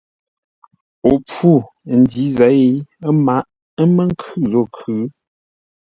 O pfû ndǐ zěi ə́ mǎʼ, ə́ mə́ nkhʉ̂ zô khʉ̌.